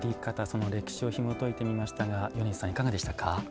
その歴史をひもといてみましたが米二さん、いかがでしたか？